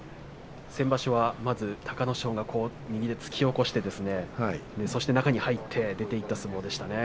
先場所は、まず隆の勝が右で突き起こしてそして中に入って出ていく相撲でしたね。